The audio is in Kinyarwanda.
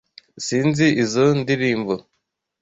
Sinzi izoi ndirimbo. (